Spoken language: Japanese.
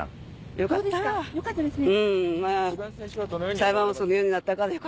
よかったですね。